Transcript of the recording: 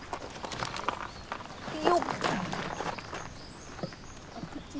よっ。